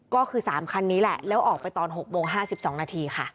ก็คือ๓คันนี้แหละแล้วออกไปตอน๖โมง๕๒นาทีค่ะ